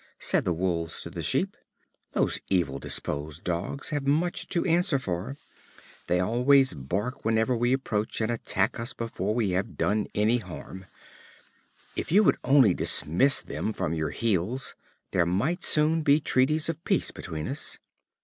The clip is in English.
said the Wolves to the Sheep. "Those evil disposed Dogs have much to answer for. They always bark whenever we approach you, and attack us before we have done any harm. If you would only dismiss them from your heels, there might soon be treaties of peace between us."